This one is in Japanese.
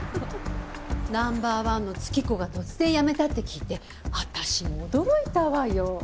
ナンバー１の月子が突然辞めたって聞いて私も驚いたわよ！